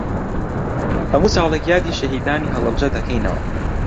هەموو ساڵێک یادی شەهیدانی هەڵەبجە دەکەینەوە.